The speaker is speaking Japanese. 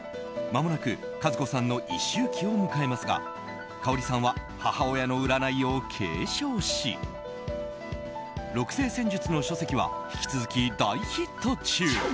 まもなく数子さんの一周忌を迎えますがかおりさんは母親の占いを継承し六星占術の書籍は引き続き大ヒット中。